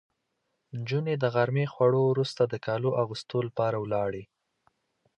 نجونې د غرمې خوړو وروسته د کالو اغوستو لپاره ولاړې.